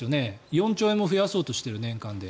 ４兆円も増やそうとしている年間で。